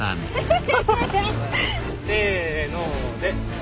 せので。